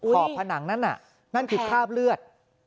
ขอบผนังนั่นน่ะนั่นคือภาพเลือด